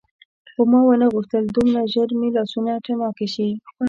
خو ما ونه غوښتل دومره ژر مې لاسونه تڼاکي شي.